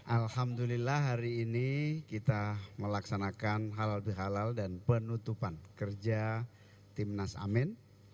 alhamdulillah hari ini kita melaksanakan halal bihalal dan penutupan kerja timnas amen